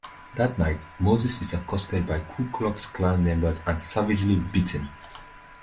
That night Moses is accosted by Ku Klux Klan members and savagely beaten.